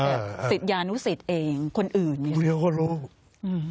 แต่สิทธิ์ยานุสิทธิ์เองคนอื่นเขาก็รู้อืม